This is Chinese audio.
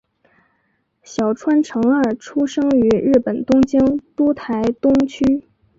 小川诚二出生于日本东京都台东区。